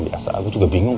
masa gue juga bingung